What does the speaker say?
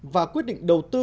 và quy định đầu tư